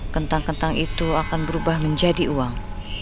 kentang kentang itu akan berubah menjadi uang